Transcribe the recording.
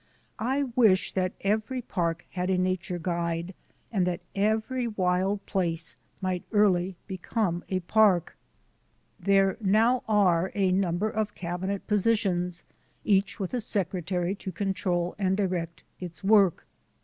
I wish that every park had a nature guide and that every wild place might early become a park. There now are a number of Cabinet positions, each with a secretary to control and direct its work.